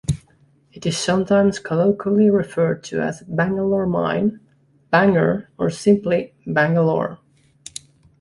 It is sometimes colloquially referred to as a "Bangalore mine", "banger" or simply "Bangalore".